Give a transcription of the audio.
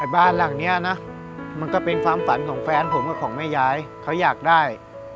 บ้านหลังนี้นะมันก็เป็นความฝันของแฟนผมกับของแม่ยายเขาอยากได้